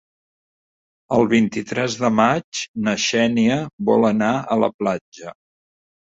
El vint-i-tres de maig na Xènia vol anar a la platja.